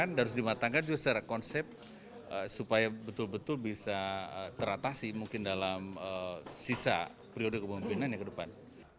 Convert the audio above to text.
dan harus dimatangkan juga secara konsep supaya betul betul bisa teratasi mungkin dalam sisa prioritas kemampuan yang ke depan